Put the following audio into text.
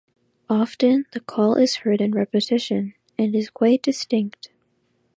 Often the call is heard in repetition, and is quite distinct.